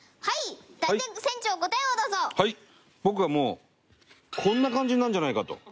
僕はもうこんな感じになるんじゃないかと。